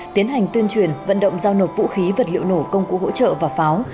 tiến hành tuyên truyền vận động giao nộp vũ khí vật liệu nổ công cụ hỗ trợ và pháo